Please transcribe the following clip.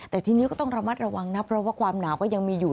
แต่ทีนี้ก็ต้องระมัดระวังนะเพราะว่าความหนาวก็ยังมีอยู่